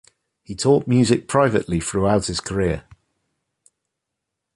He taught music privately throughout his career.